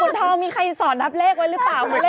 คุณทองมีใครสอนรับเลขไว้หรือเปล่า